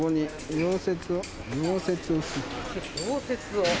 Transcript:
溶接を？